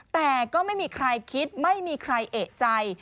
แต่ก็ไม่มีใครคิดไม่มีใครเอกใจ